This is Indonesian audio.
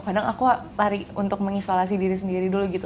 kadang aku lari untuk mengisolasi diri sendiri dulu gitu